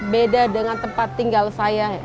beda dengan tempat tinggal saya